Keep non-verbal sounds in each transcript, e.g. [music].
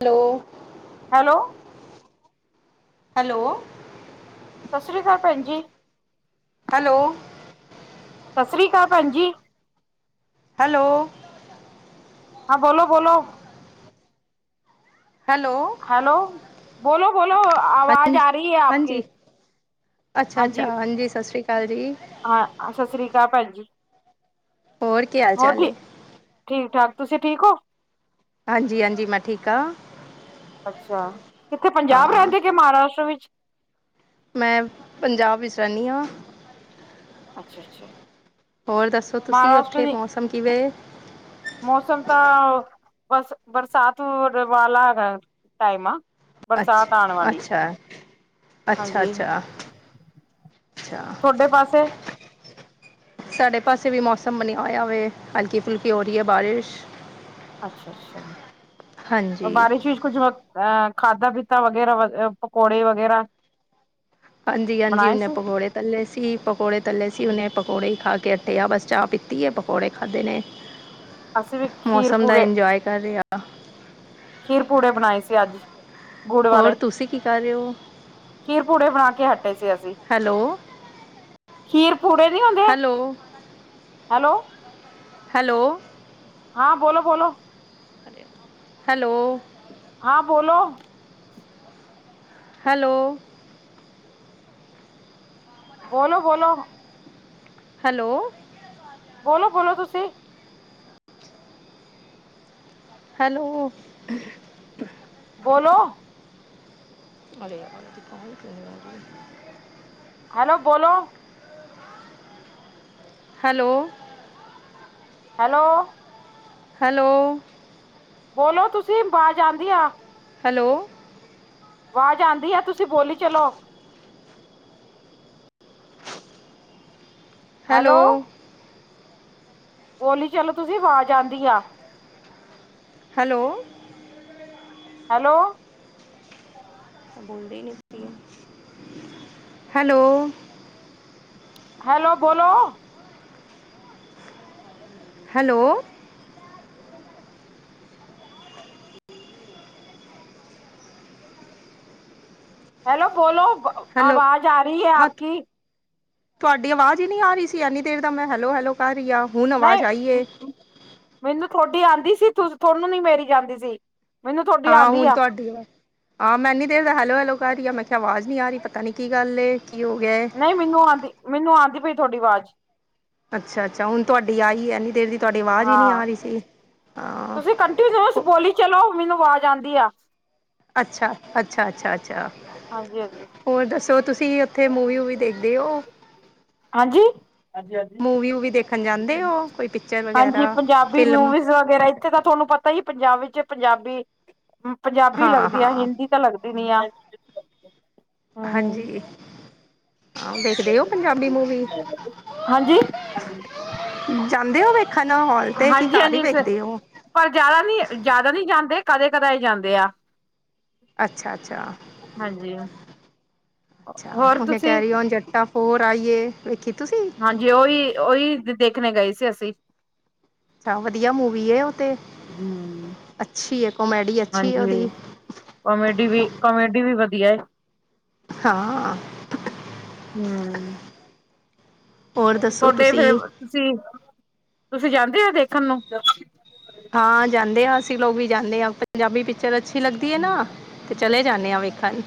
Hello! Hello hello ਸਤਿ ਸ਼੍ਰੀ ਅਕਾਲ ਭੈਣ ਜੀ। ਹੈਲੋ, ਸਤਿ ਸ੍ਰੀ ਅਕਾਲ ਭੈਣ ਜੀ। ਹੈਲੋ, ਹਾਂ, ਬੋਲੋ- ਬੋਲੋ। ਹੈਲੋ, ਹੈਲੋ ਬੋਲੋ ਬੋਲੋ ਆਵਾਜ਼ ਹਾਂਜੀ ਆ ਰਹੀ ਹੈ ਆਪ ਹਾਂਜੀ ਕੀ। ਅੱਛਾ ਅੱਛਾ ਹਾਂਜੀ ਸਤਿ ਸ੍ਰੀ ਅਕਾਲ ਜੀ। ਹਾਂ ਸਤਿ ਸ਼੍ਰੀ ਅਕਾਲ ਭੈਣ ਜੀ। ਹੋਰ ਕੀ ਹਾਲ ਹੋਰ ਚਾਲ ਹੈ ਠੀਕ ਠੀਕ ਠਾਕ ਤੁਸੀਂ ਠੀਕ ਹੋ। ਹਾਂਜੀ ਹਾਂਜੀ ਮੈਂ ਠੀਕ ਹਾਂ। ਅੱਛਾ ਕਿੱਥੇ ਪੰਜਾਬ ਹਾਂ ਰਹਿੰਦੇ ਕੇ ਮਹਾਰਾਸ਼ਟਰ ਵਿੱਚ? ਮੈਂ ਪੰਜਾਬ ਵਿੱਚ ਰਹਿੰਦੀ ਹਾਂ। ਅੱਛਾ ਅੱਛਾ। ਹੋਰ ਦੱਸੋ ਤੁਸੀਂ ਮਹਾਰਾਸ਼ਟਰ ਉੱਥੇ ਦੀ ਮੌਸਮ ਕਿਵੇਂ? ਮੌਸਮ ਤਾਂ ਬਸ, ਬਰਸਾਤ ਵਾਲਾ ਟਾਈਮ ਆ। ਬਰਸਾਤ ਆਉਣ ਅੱਛਾ- ਵਾਲੀ ਅੱਛਾ। ਅੱਛਾ- ਅੱਛਾ ਹਾਂਜੀ -ਅੱਛਾ। ਤੁਹਾਡੇ ਪਾਸੇ ਸਾਡੇ ਪਾਸੇ ਵੀ ਮੌਸਮ ਬਣਿਆ ਹੋਇਆ ਵੇ, ਹਲਕੀ -ਫੁਲਕੀ ਹੋ ਰਹੀ ਹੈ ਬਾਰਿਸ਼। ਅੱਛਾ- ਅੱਛਾ। ਹਾਂਜੀ ਬਾਰਿਸ਼ ਵਿੱਚ ਕੁਝ ਅਹ ਖਾਧਾ ਪੀਤਾ ਵਗੈਰਾ ਪਕੌੜੇ ਵਗੈਰਾ। ਹਾਂਜੀ- ਹਾਂਜੀ ਬਣਾਏ ਉਨੇ ਸੀ ਪਕੌੜੇ ਤੱਲੇ ਸੀ। ਪਕੌੜੇ ਤੱਲੇ ਸੀ ਉਨੇ। ਪਕੌੜੇ ਹੀ ਖਾ ਕੇ ਹੱਟੇ ਆ ਬਸ ਚਾਹ ਪੀਤੀ ਹੈ। ਪਕੌੜੇ ਖਾਧੇ ਨੇ। ਅਸੀਂ ਵੀ ਖੀਰ ਮੌਸਮ ਦਾ ਪੂਰੇ ਇੰਜੋਏ ਕਰ ਰਹੇ ਆ। ਖੀਰ ਪੂੜੇ ਬਣਾਏ ਸੀ ਅੱਜ। ਗੁੜ ਵਾਲੇ ਹੋਰ ਤੁਸੀਂ ਕੀ ਕਰ ਰਹੇ ਹੋ? ਖੀਰ ਪੂੜੇ ਬਣਾ ਕੇ ਹੱਟੇ ਸੀ ਅਸੀਂ। ਹੈਲੋ ਖੀਰ ਪੂੜੇ ਦੀ ਹੁੰਦੀ। ਹੈਲੋ ਹੈਲੋ ਹੈਲੋ ਹਾਂ ਬੋਲੋ ਬੋਲੋ। ਹੈਲੋ ਹਾਂ ਬੋਲੋ। ਹੈਲੋ ਬੋਲੋ -ਬੋਲੋ ਹੈਲੋ ਬੋਲੋ- ਬੋਲੋ ਤੁਸੀਂ ਹੈਲੋ ਬੋਲੋ?? ਵਾਲੇ ਵਾਲ ਦੀ ਕ [unintelligible] ਹੈਲੋ ਬੋਲੋ ਹੈਲੋ ਹੈਲੋ ਹੈਲੋ ਬੋਲੋ ਤੁਸੀਂ ਆਵਾਜ਼ ਆਉਂਦੀ ਆ ਹੈਲੋ ਆਵਾਜ਼ ਆਉਂਦੀ ਆ, ਤੁਸੀਂ ਬੋਲੀ ਚਲੋ ਹੈਲੋ ਬੋਲੀ ਚਲੋ ਤੁਸੀਂ ਆਵਾਜ਼ ਆਉਂਦੀ ਆ ਹੈਲੋ ਹੈਲੋ ਹੈਲੋ ਹੈਲੋ ਬੋਲੋ ਹੈਲੋ ਹੈਲੋ ਬੋਲੋ ਹੈਲੋ ਆਵਾਜ਼ ਆ ਰਹੀ ਹੈ, ਆਪ ਹੱਥ ਕੀ ਤੁਹਾਡੀ ਆਵਾਜ਼ ਹੀ ਨਹੀਂ ਆ ਰਹੀ ਸੀ, ਇੰਨੀ ਦੇਰ ਦਾ ਮੈਂ ਹੈਲੋ -ਹੈਲੋ ਕਰ ਰਹੀ ਆ, ਹੁਣ ਆਵਾਜ਼ ਆਈਏ ਨਹੀਂ ਮੈਨੂੰ ਤੁਹਾਡੀ ਆਉਂਦੀ ਸੀ, ਤੁਹਾਨੂੰ ਨੀ ਮੇਰੀ ਜਾਂਂਦੀ ਸੀ, ਮੈਨੂੰ ਤੁਹਾਡੀ ਆਉਂਦੀ ਆ ਵਧੀ ਵ ਹਾਂ ਮੈਂ ਏਨੀ ਦੇਰ ਦਾ ਹੈਲੋ -ਹੈਲੋ ਕਰ ਰਹੀ ਆ ਮੈਂ ਕਿਹਾ ਆਵਾਜ਼ ਨੀ ਆ ਰਹੀ, ਪਤਾ ਨੀ ਕੀ ਗੱਲ ਕੀ ਹੋ ਗਿਆ ਏ ਨਹੀਂ ਮੈਨੂੰ ਆਉਂਦੀ ਮੈਨੂੰ ਆਉਂਦੀ ਪਈ, ਤੁਹਾਡੀ ਆਵਾਜ਼ ਅੱਛਾ ਅੱਛਾ ਹੁਣ ਤੁਹਾਡੀ ਆਈ ਇੰਨੀ ਦੇਰ ਦੀ ਤੁਹਾਡੀ ਆਵਾਜ਼ ਹੀ ਨਹੀ ਹਾਂ ਆ ਰਹੀ ਸੀ ਹਾਂ ਤੁਸੀਂ ਕੰਟੀਨਿਊਸ ਬੋਲੀ ਚਲੋ, ਮੈਨੂੰ ਆਵਾਜ਼ ਆਉਂਦੀ ਆ ਅੱਛਾ -ਅੱਛਾ, ਅੱਛਾ -ਅੱਛਾ ਹਾਂਜੀ ਹੋਰ ਦੱਸੋ ਤੁਸੀਂ ਉਥੇ ਮੂਵੀ ਵੀ ਦੇਖਦੇ ਹੋ ਹਾਂਜੀ ਹਾਂਜੀ ਹਾਂਜੀ ਮੂਵੀ ਵੀ ਦੇਖ ਹਾਂਜੀ ਪੰਜਾਬੀ ਫਿਲਮ ਮੂਵੀਜ਼ ਵਗੈਰਾ ਇੱਥੇ ਤਾਂ ਤੁਹਾਨੂੰ ਪਤਾ ਹੀ ਪੰਜਾਬ ਵਿੱਚ ਪੰਜਾਬੀ ਪੰਜਾਬੀ ਹਾਂ ਲੱਗਦੀ ਆ ਹਾਂ ਹਿੰਦੀ ਤਾਂ ਲੱਗਦੀ ਨੀ ਆ ਹੂੰ ਹਾਂਜੀ ਆਹ ਦੇਖਦੇ ਹੋ ਪੰਜਾਬੀ ਮੂਵੀ ਹਾਂਜੀ ਜਾਂਦੇ ਹੋ ਵੇਖਣ, ਹੋਲ ਤੇ ਕੀ ਹਾਂਜੀ ਕਾਰ ਹੀ ਹਾਂਜੀ ਸ ਵੇਖਦੇ ਹੋ ਪਰ ਜ਼ਿਆਦਾ ਨੀ ਜ਼ਿਆਦਾ ਨਹੀਂ ਜਾਂਦੇ, ਕਦੇ ਕਦਏ ਜਾਂਦੇ ਆ ਅੱਛਾ -ਅੱਛਾ ਹਾਂਜੀ ਅ ਹੋਰ ਉਹਨੇ ਤੁਸੀਂ ਕੈਰੀ ਓਨ ਜੱਟਾ ਫੋਰ ਆਈਏ ਵੇਖੀ ਤੁਸੀਂ ਹਾਂਜੀ ਉਹੀ ਉਹੀ ਦੇਖਣੇ ਗਏ ਸੀ, ਅਸੀਂ ਅੱਛਾ ਵਧੀਆ ਮੂਵੀ ਹੈ, ਉਹ ਤੇ ਹਮ ਅੱਛੀ ਕੋਮੇਡੀ ਅੱਛੀ ਉਹਦੀ ਕੋਮੇਡੀ ਵੀ ਕੋਾਮੇਡੀ ਵੀ ਵਧੀਆ ਹੈ ਹਾਂ ਹੂੰ ਹੋਰ ਦੱਸੋ ਤੁਹਾਡੇ ਫੇਰ ਤੁਸੀਂ ਤੁਸੀਂ, ਤੁਸੀਂ ਜਾਂਦੇ ਹੋ ਦੇਖਣ ਨੂੰ ਹਾਂ ਜਾਂਦੇ ਹਾਂ ਅਸੀਂ ਲੋਕ ਵੀ ਜਾਂਦੇ ਹਾਂ, ਪੰਜਾਬੀ ਪਿਕਚਰ ਅੱਛੀ ਲੱਗਦੀ ਹੈ ਨਾ। ਹਮ ਤੇ ਚਲੇ ਜਾਂਦੇ ਆ ਵੇਖਣ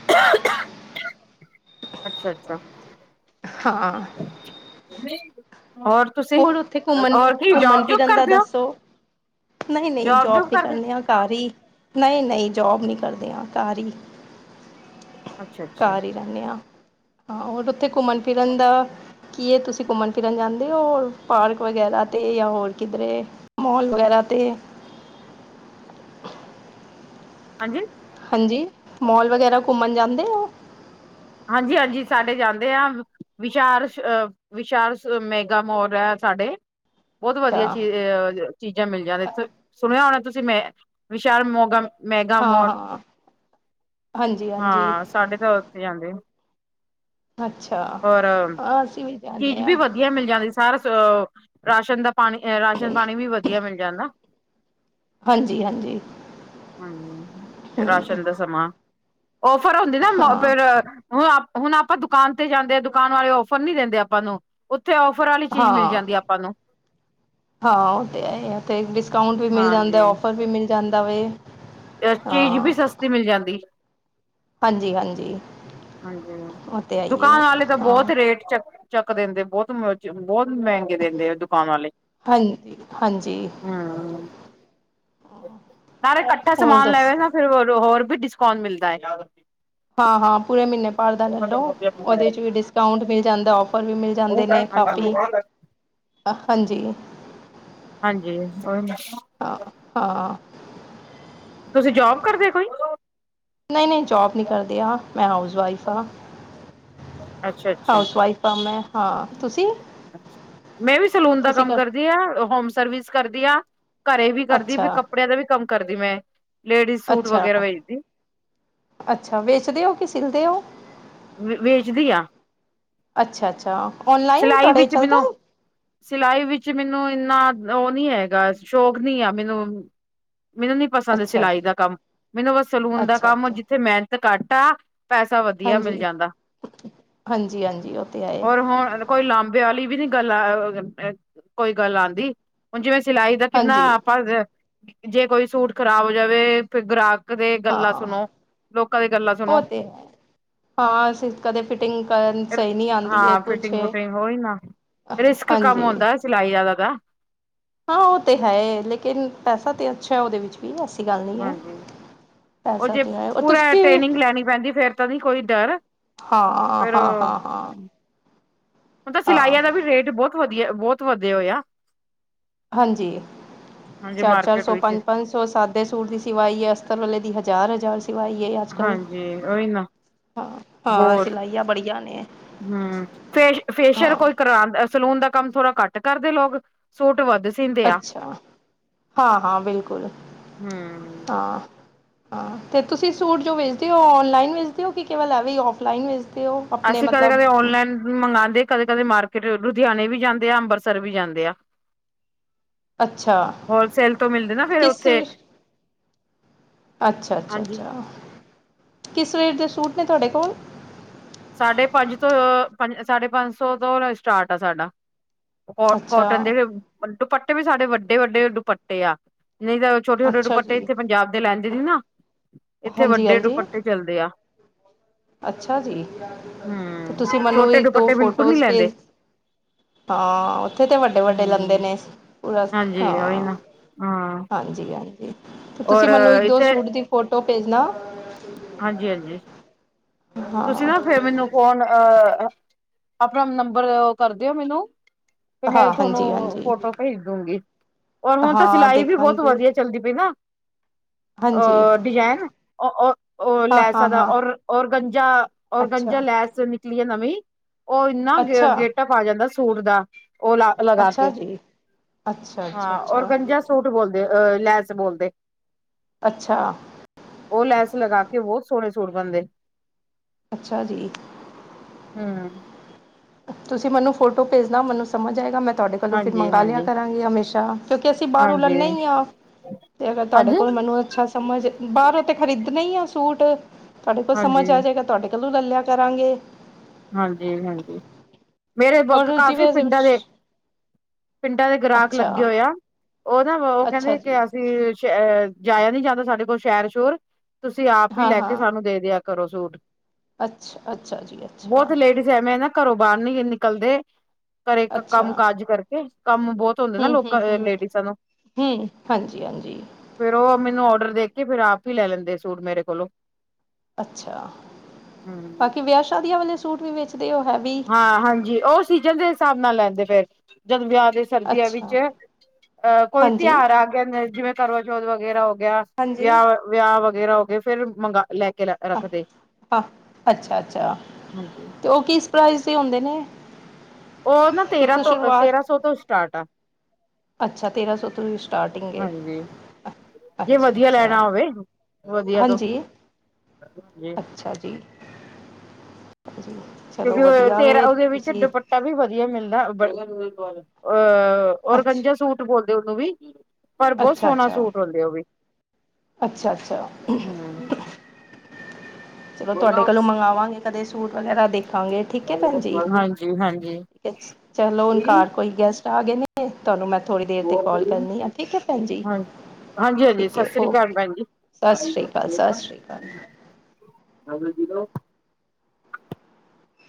ਅੱਛਾ -ਅੱਛਾ ਹਾਂ ਹੋਰ ਤੁਸੀਂ ਹੋਰ ਉੱਥੇ ਘੁੰਮਣ ਹੋਰ ਕੀ ਘੁੰਮਣ ਜੋਬ ਜੂਬ ਫਿਰਨ ਦਾ ਕਰਦੇ ਹੋ ਦੱਸੋ ਨਹੀਂ ਨਹੀਂ ਜੋਬ ਜੂਬ ਨੀ ਕਰਦੇ ਕਰਨੀ ਆ। ਘਰ ਹੀ ਨਹੀਂ ਨਹੀਂ ਜੋਬ ਨੀ ਕਰਦੇ ਆ ਘਰ ਹੀ। ਅੱਛਾ ਅੱਛਾ। ਹਦੇ ਹ ਹਾਂ ਹੋਰ ਉੱਥੇ ਘੁੰਮਣ ਫਿਰਨ ਦਾ ਕੀ ਹੈ ਤੁਸੀਂ ਘੁੰਮਣ ਫਿਰਨ ਜਾਂਦੇ ਹੋ। ਹੋਰ ਪਾਰਕ ਵਗੈਰਾ ਤੇ ਜਾਂ ਹੋਰ ਕਿਧਰੇ ਮੋਲ ਵਗੈਰਾ ਤੇ। ਹਾਂਜੀ। ਹਾਂਜੀ ਮੋਲ ਵਗੈਰਾ ਘੁੰਮਣ ਜਾਂਦੇ ਆ। ਹਾਂਜੀ ਹਾਂਜੀ ਸਾਡੇ ਜਾਂਦੇ ਆ। ਵਿਸ਼ਾਲ ਵਿਸ਼ਾਲ ਮੈਗਾ ਮੋਲ ਹੈ ਸਾਡੇ। ਬਹੁਤ ਅੱਛਾ ਵਧੀਆ ਚੀਹ ਚੀਜ਼ਾਂ ਮਿਲ ਜਾਂਦੇ ਸੁਣਿਆ ਹੋਣਾ ਤੁਸੀਂ ਮੈਂ ਵਿਸ਼ਾਲ ਮੋਗਮ ਮੈਗਾ ਹਾਂ ਮੋਰ ਹਾਂ ਹਾਂਜੀ ਹਾਂਜੀ ਹਾਂ ਸਾਢੇ ਤਾਂ ਉੱਥੇ ਜਾਂਦੇ। ਅੱਛਾ ਔਰ ਹਾਂ ਅਸੀਂ ਵੀ ਜਾਂਦੇ ਚੀਜ਼ ਵੀ ਹਾਂ। ਵਧੀਆ ਮਿਲ ਜਾਂਦੀ ਸਾਰ ਰਾਸ਼ਨ ਦਾ ਪਾਣੀ ਰਾਸ਼ਨ ਪਾਣੀ ਵੀ ਵਧੀਆ ਮਿਲ ਜਾਂਦਾ। ਹਾਂਜੀ ਹਾਂਜੀ। ਹਮ ਰਾਸ਼ਨ ਦਾ ਸਮਾਂ ਓਫਰ ਹੁੰਦੀ ਨਾ ਹਾਂ ਫੇਰ। ਹੁਣ ਹੁਣ ਆਪਾਂ ਦੁਕਾਨ ਤੇ ਜਾਂਦੇ ਹਾਂ ਦੁਕਾਨ ਵਾਲੇ ਔਫਰ ਨੀ ਦਿੰਦੇ ਆਪਾਂ ਨੂੰ। ਉੱਥੇ ਔਫਰ ਵਾਲੀ ਚੀਜ਼ ਮਿਲ ਹਾਂ ਜਾਂਦੀ ਆਪਾਂ ਨੂੰ। ਹਾਂ ਉਹ ਤੇ ਹੈ ਡਿਸਕਾਊਂਟ ਵੀ ਮਿਲ ਜਾਂਦਾ ਹਾਂਜੀ ਫਰ ਮਿਲ ਜਾਂਦਾਵੇ। ਚੀਜ਼ ਵੀ ਸਸਤੀ ਮਿਲ ਜਾਂਦੀ। ਹਾਂਜੀ ਹਾਂਜੀ। ਹਾਂਜੀ ਉਹ ਤਾਂ ਹੈ ਹੀ ਦੁਕਾਨ ਹੈ ਵਾਲੇ ਤਾਂ ਹਾਂ ਬਹੁਤ ਰੇਟ ਚੱਕ ਚੱਕ ਦਿੰਦੇ ਬਹੁਤ ਬਹੁਤ ਮਹਿੰਗੇ ਦਿੰਦੇ ਆ ਦੁਕਾਨ ਵਾਲੇ। ਹਾਂਜੀ ਹਾਂਜੀ। ਹਮ ਸਾਰੇਾ ਇਕੱਠਾ ਹੋਰ ਸਮਾਨ ਦੱਸ ਲੈਵੇ ਨਾ। ਫਿਰ ਹੋਰ ਵੀ ਡਿਸਕਾਊਂਟ ਮਿਲਦਾ ਹੈ। ਹਾਂ ਹਾਂ ਪੂਰੇ ਮਹੀਨੇ। ਲੋਦੇ ਵੀ ਡਿਸ ਮਿਲ ਜਾਂਦਾ ਫਰ ਵੀ ਮਿਲ ਜਾਂਦੇ ਨੇ ਕਾਫੀ। ਹ। ਹਾਂਜੀ। ਹਾਂਜੀ ਉਓਹੀ ਮ ਹਾਂ ਹਾਂ। ਤੁਸੀਂ ਜੋਬ ਕਰਦੇ ਕੋਈ? ਇਨ ਨੇ ਜੋਬ ਨਹੀਂ ਕਰਦੇਿਆ ਮੈਂ ਹਾਊਸ ਵਾਈਫ ਹਾਂ। ਅੱਛਾ ਅੱਛਾ। ਹਾਊਸ ਵਾਈਫ ਆ ਮੈਂ। ਹਾਂ ਤੁਸੀਂ-ਤੁਸੀਂ ਮੈਂ ਵੀ ਸਲੂਨ ਦਾ ਕੰਮ ਕਰ ਕਰਦੀ ਆ ਹੋਮ ਸਰਵਿਸ ਕਰਦੀ ਆ ਘਰੇ ਵੀ ਕਰਦੀ ਵੀ ਅੱਛਾ ਕੱਪੜਿਆਂ ਦਾ ਵੀ ਕੰਮ ਕਰਦੀ ਮੈਂ ਲੇਡੀਜ਼ ਸੂਟ ਵਗੈਰਾ ਵੇਦੀ ਅੱਛਾ ਵੇਚਦੇ ਹੋ ਕਿ ਸਿਲਦੇ ਹੋ। ਵੇਚਦੀ ਆ ਅੱਛਾ ਅੱਛਾ ਓਨਲਾਈਨ ਸਿਲਾਈ ਤੁਹਾਡੇ ਵਿੱਚ ਮੈਨੂੰ ਚੱਲਦਾ? ਸਿਲਾਈ ਵਿੱਚ ਮੈਨੂੰ ਇੰਨਾ ਉਹ ਨਹੀਂ ਹੈਗਾ ਸ਼ੌਕ ਨੀ ਆ ਮੈਨੂੰ। ਮੈਨੂੰ ਨੀ ਪਸੰਦ ਅੱਛਾ ਸਿਲਾਈ ਜੀ ਦਾ ਕੰਮ ਮੈਨੂੰ ਬ ਸਲੂਨ ਦਾ ਕੰਮ ਅੱਛਾ-ਅੱਛਾ ਜਿੱਥੇ ਮਿਹਨਤ ਕੱਟ ਆ। ਪੈਸਾ ਵਧੀਆ ਮਿਲ ਜਾਂਦਾ ਹਾਂਜੀ-ਹਾਂਜੀ-ਹਾਂਜੀ ਉਹ ਤੇ ਹੈ ਰ ਹੁਣ। ਕੋਈ ਲਾਂਬੇ ਵਾਲੀ ਵੀ ਨੀ ਗੱਲ ਕੋਈ ਗੱਲ ਆਉਂਦੀ। ਹੁਣ ਜਿਵੇਂ ਸਿਲਾਈ ਦਾ ਕਿੰਨਾ ਹਾਂਜੀ ਆਪਾਂ ਜੇ ਕੋਈ ਸੂਟ ਖ਼ਰਾਬ ਹੋ ਜਾਵੇ ਗ੍ਰਾਹਕ ਦੇ ਹਾਂ ਗੱਲਾਂ ਸੁਣੋ ਲੋਕਾਂ ਦੀ ਗੱਲਾਂ ਉਹ ਸੁਣੋ। ਤੇ ਹੈ ਹਾਂ ਸ ਕਦੇ ਫਿਟਿੰਗ ਕਰਨ ਸਹੀ ਨਹੀਂ ਆਉਂਦੀ ਹੈ ਹਾਂ ਕੁਛ ਫਿਟਿੰਗ ਫੁਟਿੰਗ ਹੋਈ ਨਾ ਰਿਸਕ ਕੰਮ ਹਾਂਜੀ। ਹੁੰਦਾ ਸਿਲਾਈ ਜ਼ਿਆਦਾਦਾ। ਹਾਂ ਉਹ ਤੇ ਹੈ ਲੇਕਿਨ ਪੈਸਾ ਤੇ ਅੱਛਾ ਉਹਦੇ ਵਿੱਚ। ਵੀ ਐਸੀ ਗੱਲ ਨਹੀਂ ਹੈ ਹਾਂਜੀ ਉਹ ਪੈਸਾ ਜੇ ਤਾਂ ਹੈ ਔਰ ਪੂਰਾ ਤੁਸੀਂ ਟ੍ਰੇਨਿੰਗ ਲੈਣੀ ਪੈਂਦੀ ਫੇਰ ਤਾਂ ਨਹੀਂ ਕੋਈ ਡਰ। ਹਾਂ ਫਿਰ ਹਾਂ ਹਾਂ ਹਾਂ ਹੁਣ ਤਾਂ ਹਾਂ ਸਿਲਾਈਆਂ ਦਾ ਵੀ ਰੇਟ ਬਹੁਤ ਵਧੀਆ ਬਹੁਤ ਵਧੀ ਹੋ ਆ। ਹਾਂਜੀ ਹਾਂਜੀ ਚਾਰ ਚਾਰ ਮਾਰਕੀਟ ਸੌ ਵਿੱਚ ਪੰਜ ਪੰਜ। ਸਾਦੇ ਸੂਟ ਦੀ ਸਿਵਾਈਏ ਅਸਤਰ ਵਾਲੇ ਦੀ ਹਜ਼ਾਰ ਹਜ਼ਾਰ। ਸਿਵਾਈ ਅੱਜ ਕੱਲ ਹਾਂਜੀ ਉਹੀ ਨਾ ਹਾਂ ਹਾਂ ਬਹੁਤ ਸਿਲਾਈਆਂ ਬੜੀਆ ਨੇ। ਹਮ ਫੇ ਫੇਸ਼ੀਅਲ ਹਾਂ ਕੋਈ ਕਰਵਾਦਾ। ਸਲੂਨ ਦਾ ਕੰਮ ਥੋੜਾ ਘੱਟ ਕਰਦੇ ਲੋਕ ਸੋਟ ਵੱਧ ਸੀਂਦੇ ਆ ਅੱਛਾ ਹਾਂ ਹਾਂ ਬਿਲਕੁਲ ਹਮ ਹਾਂ। ਹਾਂ ਅਤੇ ਤੁਸੀਂ ਸੂਟ ਜੋ ਵੇਚਦੇ ਹੋ ਔਨਲਾਈਨ ਵੇਚਦੇ ਹੋ ਕਿ ਕੇਵਲ ਹੈਵੇ ਔਫਲਾਈਨ ਵੇਚਦੇ ਹੋ। ਆਪਣੇ ਅਸੀਂ ਕਦੇ ਮਤਲਬ ਕਦੇ ਔਨਲਾਈਨ ਮੰਗਉਦੇ ਕਦੇ ਕਦੇ ਮਾਰਕੀਟ ਲੁਧਿਆਣੇ ਵੀ ਜਾਂਦੇ ਆ ਅੰਮ੍ਰਿਤਸਰ ਵੀ ਜਾਂਦੇ ਆ। ਅੱਛਾ ਹੋਲਸੇਲ ਤੋਂ ਮਿਲਦੇ ਨਾ ਫੇਰ ਕਿਸ ਉੱਥੇ। ਅੱਛਾ ਅੱਛਾ ਹਾਂਜੀ ਅੱਛਾ ਕਿਸ ਰੇਟ ਦੇ ਸੂਟ ਨੇ ਤੁਹਾਡੇ ਕੋਲ। ਸਾਢੇ ਪੰਜ ਤੋਂ ਸਾਢੇ ਪੰਜ ਸੌ ਤੋਂ ਸਟਾਰਟ ਆ ਸਾਡਾ। ਕੋ ਅੱਛਾ ਕੋਟਨ ਦੇ ਜਹੜੇ ਦੁਪੱਟੇ ਵੀ ਸਾਡੇ ਵੱਡੇ ਵੱਡੇ ਦੁਪੱਟੇ ਆ ਨਹੀਂ ਤਾਂ ਛੋਟੇ ਛੋਟੇ ਅੱਛਾ ਦੁਪੱਟੇ ਜੀ ਇੱਥੇ ਪੰਜਾਬ ਦੇ ਲੈਂਦੇ ਸੀ ਨਾ ਇੱਥੇ ਹਾਂਜੀ ਵੱਡੇ ਹਾਂਜੀ ਦੁਪੱਟੇ ਚੱਲਦੇ ਆ। ਅੱਛਾ ਜੀ ਤੇ ਹੂੰ ਤੁਸੀਂ ਮੈਨੂੰ ਛੋਟੇ ਇੱਕ ਦੋ ਦੁਪੱਟੇ ਬਿਲਕੁਲ ਨੀ ਫੋਟੋਜ਼ ਲੈਂਦੇ ਭੇਜ। ਹਾਂ ਉੱਥੇ ਤੇ ਵੱਡੇ ਵੱਡੇ ਲੰਦੇ ਹੂੰ ਨੇ ਪੂਰਾ ਹਾਂਜੀ ਉਹੀ ਹਾਂ। ਨਾ। ਹਾਂ ਹਾਂਜੀ ਹਾਂਜੀ ਤੇ ਤੁਸੀਂ ਔਰ ਮੈਨੂੰ ਇੱਕ ਦੋ ਸੂਟ ਦੀ ਫੋਟੋ ਭੇਜਣਾ। ਹਾਂਜੀ ਹਾਂਜੀ। ਤੁਸੀਂ ਹਾਂ ਨਾ ਫਿਰ ਮੈਨੂੰ ਫੋਨ ਅ ਆਪਣਾ ਨੰਬਰ ਕਰਦੇਓ ਮੈਨੂੰ। ਫ ਹਾਂ ਮੈਂ ਤੁਹਾਨੂੰ ਹਾਂਜੀ ਹਾਂਜੀ ਫੋਟੋ ਖਰੀਜ ਦੂਗੀ। ਔਰ ਹੁਣ ਤਾਂ ਹਾਂ ਸਿਲਾਈ ਵੀ ਬਹੁਤ ਦੇਖਾਂਗੀ ਵਧੀਆ ਚੱਲਦੀ ਪਈ ਨਾ। ਹਾਂਜੀ ਅ ਡਿਜਾਇਨ ਉਹ ਹਾਂ ਹਾਂ ਲੈਸਾਦਾ ਹਾਂ ਔਰ ਰ। ਗੰਜਾ ਔਰ ਗੰਜਾ ਅੱਛਾ ਲੈਸ ਨਿਕਲੀ ਹੈ ਨਵੀਂ ਉਹ ਇੰਨਾ ਅੱਛਾ ਗੇਟਾ ਆ ਜਾਂਦਾ ਸੂਟ ਦਾ ਉਹ ਲਾ ਲਗਾ ਅੱਛਾ ਕੇ ਜੀ ਅੱਛਾ ਅੱਛਾ ਹਾਂ ਔਰ ਅੱਛਾ ਗੰਜਾ ੂਟ ਬੋਲਦੇ ਅ ਲੈਜ ਬੋਲਦੇ। ਅੱਛਾ। ਉਹ ਲੈਸ ਲਗਾ ਕੇ ਬਹੁਤ ਸੋਹਣੇ ਸੂਟ ਬਣਦੇ। ਅੱਛਾ ਜੀ। ਹਮ। ਤੁਸੀਂ ਮੈਨੂੰ ਫੋਟੋ ਭੇਜਨਾ ਮੈਨੂੰ ਸਮਝ ਆਏਗਾ ਮੈਂ ਤੁਹਾਡੇ ਕੋਲੋਂ ਫਿਰ ਹਾਂਜੀ ਮੰਗਾਵਾ ਲਿਆ ਹਾਂਜੀ ਕਰਾਂਗੀ ਹਮੇਸ਼ਾ। ਕਿਉਂਕਿ ਅਸੀਂ ਬਾਹਰ ਹਾਂਜੀ ਉਲਰਨਨਾ ਹੀ ਹਾਂ ਤੇ ਅਗਰ ਤੁਹਾਡੇ ਹਾਂਜੀ ਕੋਲ ਮੈਨੂੰ ਅੱਛਾ। ਸਮਝ ਬਾਹਰ ਉਤੇ ਖਰੀਦਣੇ ਹੀ ਆ ਸੂਟ ਤੁਹਾਡੇ ਕੋਲ ਹਾਂਜੀ ਸਮਝ ਆ ਜਾਏਗਾ ਤੁਹਾਡੇ ਕੋਲ। ਕੱਲੂ ਲੱਲਿਆ ਕਰਾਂਗੇ। ਹਾਂਜੀ ਹਾਂਜੀ ਮੇਰੇ ਔਰ ਕਾਫੀ ਜਿਵੇਂ ਪਿੰਡਾਂ ਦੇ ਪਿੰਡਾਂ ਦੇ ਗ੍ਰਾਹਕ ਲੱਗੇ ਅੱਛਾ ਹੋਏ ਆ ਉਹ ਨਾ ਉਹ ਅੱਛਾ ਕਹਿੰਦੇ ਕਿ ਜੀ ਅਸੀਂ ਜਾਇਆ ਨੀ ਜਾਂਦਾ ਸਾਡੇ ਕੋਲ ਸ਼ਹਿਰ ਸ਼ੋਰ ਤੁਸੀਂ ਆਪ ਹੀ ਹਾਂ ਲੈ ਹਾਂ ਕੇ ਸਾਨੂੰ ਦੇ ਦਿਆ ਕਰੋ ਸੂਟ। ਅੱਛਾ ਅੱਛਾ ਜੀ ਅਛਾ। ਬਹੁਤ ਲੇਡੀਜ਼ ਐਵੇਂ ਨਾ ਘਰੋਂ ਬਾਹਰ ਨੀ ਨਿਕਲਦੇ। ਘਰੇ ਕੰਮ ਅੱਛਾ ਕਾਜ ਕਰਕੇ ਕੰਮ ਬਹੁਤ ਹੁੰਦੇ ਨਾ ਲੋਕਾਂ ਲੇਡੀਸਾਂ ਨੂੰ। ਹਮ ਹਾਂਜੀ ਹਾਂਜੀ। ਫੇਰ ਉਹ ਮੈਨੂੰ ਆਰਡਰ ਦੇ ਕੇ ਫੇਰ ਆਪ ਹੀ ਲੈ ਲੈਂਦੇ ਸੂਟ ਮੇਰੇ ਕੋਲੋਂ। ਅੱਛਾ ਹੂੰ ਬਾਕੀ ਵਿਆਹ ਸ਼ਾਦੀਆਂ ਵਾਲੇ ਸੂਟ ਵੀ ਵੇਚਦੇ ਉਹ ਹੈ ਵੀ। ਹਾਂ ਹਾਂਜੀ ਉਹ ਸੀਜਨ ਦੇ ਹਿਸਾਬ ਨਾਲ ਲੈਂਦੇ ਫੇਰ ਜਦੋਂ ਵਿਆਹ ਦੇ ਸਰਦੀਆਂ ਅੱਛਾ, ਵਿੱਚ ਅਹ ਕੋਈ ਹਾਂਜੀ। ਤਿਉਹਾਰ ਆ ਜਿਵੇਂ ਕਰਵਾਜੌਥ ਵਗੈਰਾ ਹੋ ਗਿਆ ਹਾਂਜੀ। ਵਿਆਹ ਵਿਆਹ ਵਗੈਰਾ ਹੋ ਕੇ ਫੇਰ ਮੰਗਾ ਲੈ ਕੇ ਲ ਅੱਛਾ ਅੱਛਾ ਹਾਂਜੀ ਤੇ ਉਹ ਕਿਸ ਪ੍ਰਜ਼ ਦੇ ਹੁੰਦੇ ਨੇ। ਉਹ ਨਾ ਤੇਰਾਂ ਕਿੱਥੋਂ ਤੋਂ ਸ਼ੁਰੂਆਤ? ਤੇਰਾਂ ਸੌ ਤੋਂ ਸਟਾਰਟ ਆ ਅੱਛਾ ਤੇਰਾਂ ਸੌ ਤੋਂ ਸਟਾਰਟਿੰਗ ਹਾਂਜੀ ਜੇ ਅੱਛਾ ਵਧੀਆ ਅੱਛਾ ਲੈਣਾ ਹੋਵੇ ਵਧੀਆ ਤੋਂ ਹਾਂਜੀ ਜੀ ਅੱਛਾ ਜੀ ਹਾਂ ਜੀ ਤੇ ਕਿਉਂਕਿ ਚਲੋ ਤੇਰਾ ਵਧੀਆ ਤੇਰਾ ਵੇ ਉਹਦੇ ਵਿਚ ਵੀ ਤੁਸੀਂ ਦੁਪੱ ਆਟਾ ਵੀ ਵਧੀਆ ਮਿਲਦਾ ਹੈ ਬ ਅਹ ਅੱਛ, ਔਰਕੰਜਾ ਸੂਟ ਬੋਲਦੇ ਉਹਨੂੰ ਵੀ ਪਰ ਬਹੁਤ ਸੋਹਣਾ ਸੂਟ ਹੁੰਦੇ ਉਹ ਵੀ ਅੱਛਾ ਅੱਛਾ ਹਮ ਚਲੋ ਤੁਹਾਡੇ ਕੋਲੋਂ ਮੰਗਵਾ ਵਾਂਗੇ ਕਦੇ ਸੂਟ ਵਗੈਰਾ ਦੇਖਾਂਗੇ ਠੀਕ ਹੈ ਭੈਣ ਜੀ ਹਾਂਜੀ ਹਾਂਜੀ ਠੀਕ ਹੈ ਚਲੋ ਹੁਣ ਜੀ ਘਰ ਕੋਈ ਗੈਸਟ ਆ ਗਏ ਨੀ ਤੁਹਾਨੂੰ ਮੈਂ ਥੋੜ੍ਹੀ ਦੇਰ ਤੇ ਹੋਰ ਕੋਲ ਵਧੀਆ ਕਰਨੀ ਠੀਕ ਹੈ ਠੀਕ ਹੈ ਭੈਣ ਜੀ ਹਾਂਜੀ ਹਾਂਜੀ ਹਾਂਜੀ ਠੀਕ ਸਤਿ ਹੈ ਸ੍ਰੀ ਅਕਾਲ ਓਕੇ ਭੈਣ ਜੀ ਸਤਿ ਸ਼੍ਰੀ ਅਕਾਲ ਸਤਿ ਸ਼੍ਰੀ ਅਕਾਲ ਹਾਂ ਜੀ